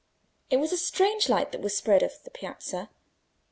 It was a strange light that was spread over the piazza.